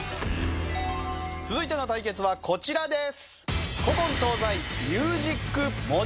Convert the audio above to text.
続いての対決はこちらです。